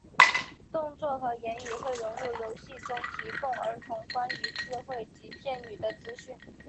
动作和言语会融入游戏中以提供儿童关于字汇及片语的资讯。